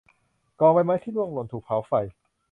กองใบไม้ที่ร่วงหล่นถูกเผาไฟ